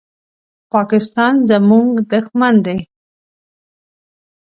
پاکستان زمونږ دوښمن دی